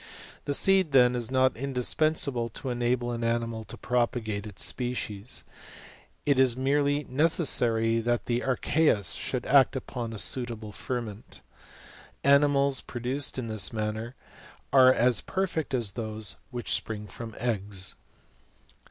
The seed, then, is not indispensable to enable an animal to propagate its species; it is merely necessary that the archeus should act upon a suitable ferment. Animals pro duced in this manner are as perfect as those which spring from eggs.